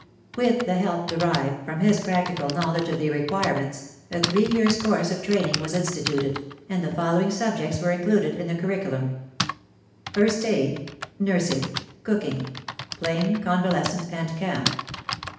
With the help derived from his practical knowledge of the require ments, a three years' course of training was instituted, and the following subjects were included in the curriculum :— First Aid, Nursing, Cooking (plain, con valescent and camp).